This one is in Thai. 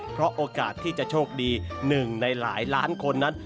เพราะโอกาสที่จะโชคดี๑ในหลายล้านคนนั้น